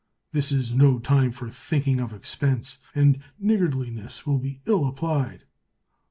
This is no time for thinking of expense, and niggardliness would be ill applied."